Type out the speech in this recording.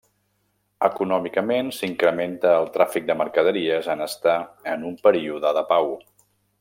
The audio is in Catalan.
Econòmicament s'incrementa el tràfic de mercaderies en estar en un període de pau.